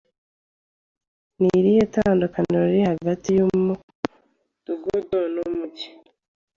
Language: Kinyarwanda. Ni irihe tandukaniro riri hagati y'umudugudu n'umujyi?